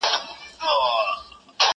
زه به د يادښتونه بشپړ کړي وي؟!